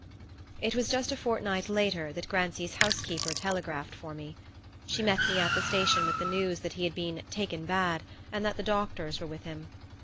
It was just a fortnight later that Grancy's housekeeper telegraphed for me. She met me at the station with the news that he had been "taken bad" and that the doctors were with him.